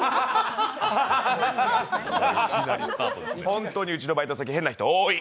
本当にうちのバイト先変な人多い。